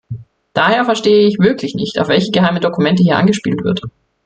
Daher verstehe ich wirklich nicht, auf welche geheimen Dokumente hier angespielt wird.